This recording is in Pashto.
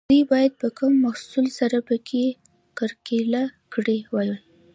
دوی باید په کم محصول سره پکې کرکیله کړې وای.